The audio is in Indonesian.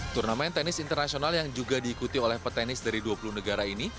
turnamen tenis internasional yang juga diikuti oleh petenis dari dua puluh negara ini